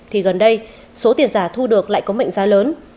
thì gần đây số tiền giả thu được lại có mệnh giá lớn